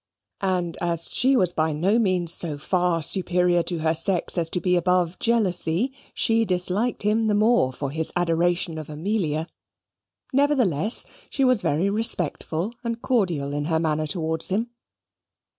And, as she was by no means so far superior to her sex as to be above jealousy, she disliked him the more for his adoration of Amelia. Nevertheless, she was very respectful and cordial in her manner towards him.